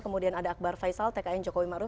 kemudian ada akbar faisal tkn jokowi maruf